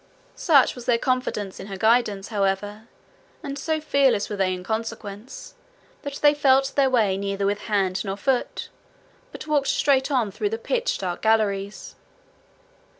Such was their confidence in her guidance, however, and so fearless were they in consequence, that they felt their way neither with hand nor foot, but walked straight on through the pitch dark galleries.